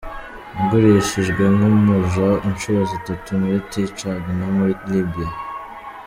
'Nagurishijwe nk'umuja incuro zitatu muri Tchad no muri Libya'.